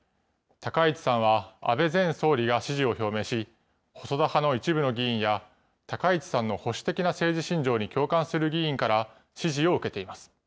高市さんは、安倍前総理が支持を表明し、細田派の一部の議員や、高市さんの保守的な政治信条に共感する議員から、支持を受けています。